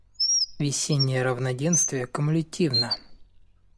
Весеннее равноденствие кумулятивно.